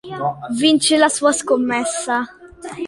Vince la sua scommessa.